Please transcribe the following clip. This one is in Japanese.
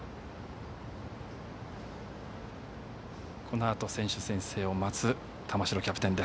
このあと選手宣誓を待つ玉城キャプテン。